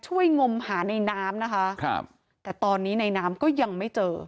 งมหาในน้ำนะคะครับแต่ตอนนี้ในน้ำก็ยังไม่เจอ